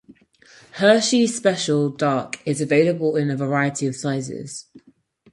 Hershey's Special Dark is available in a variety of sizes.